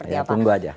ya tunggu aja